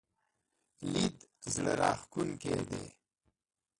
لید زړه راښکونکی دی.